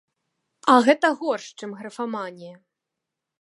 А гэта горш, чым графаманія.